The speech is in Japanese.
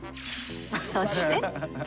そして。